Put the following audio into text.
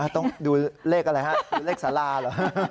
ต้องดูเลขอะไรฮะดูเลขสาราเหรอ